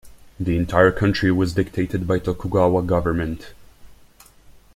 The entire country was dictated by Tokugawa government.